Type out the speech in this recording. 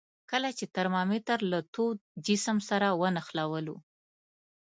کله چې ترمامتر له تود جسم سره ونښلولو.